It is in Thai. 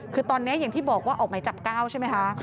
คือตอนนี้อย่างที่บอกว่าออกหมายจับ๙ใช่ไหมคะ